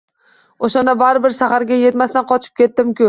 O‘shanda baribir shaharga yetmasdan qochib ketdim-ku.